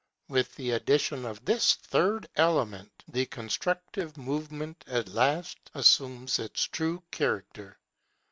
With the addition of this third element, the constructive movement at last assumes its true character.